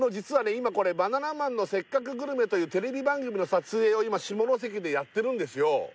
今これ「バナナマンのせっかくグルメ！！」というテレビ番組の撮影を今下関でやってるんですよ